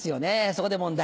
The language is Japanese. そこで問題。